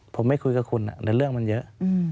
ผมไม่คุยกับคุณแต่เรื่องมันเยอะ